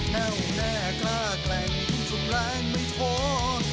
แน่วแน่กล้าแกร่งทุกแรงไม่ท้อ